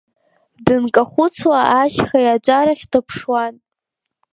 Дынкахәыцуа ашьха иаҵәарахь дыԥшуан.